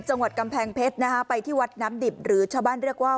จังหวัดกำแพงเพชรนะฮะไปที่วัดน้ำดิบหรือชาวบ้านเรียกว่า